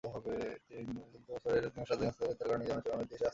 চলতি বছরের তিন মাসে রাজনৈতিক অস্থিরতার কারণে তাঁদের অনেকেই দেশে আসতে পারেননি।